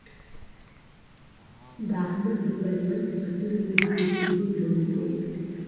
د احمد د بریا په خطر مې ډېرې شپې رڼې تېرې کړې.